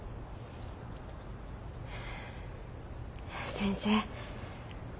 先生。